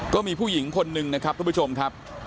ก็มีผู้หญิงคนหนึ่งนะครับทุกผู้ชมครับ